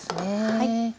はい。